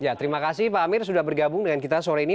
ya terima kasih pak amir sudah bergabung dengan kita sore ini